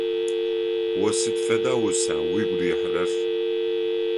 О сыд фэдэ уса угу рихьырэр?